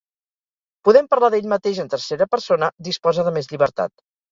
podent parlar d'ell mateix en tercera persona, disposa de més llibertat